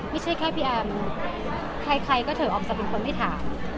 ไม่ใช่แค่พี่แอมใครก็เถอะออกจากเป็นคนไม่ถาม